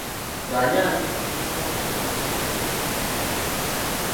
Baani abeesimbyewo mu kitundu kyaffe?